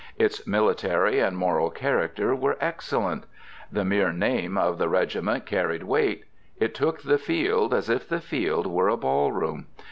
Its military and moral character were excellent. The mere name of the regiment carried weight. It took the field as if the field were a ball room.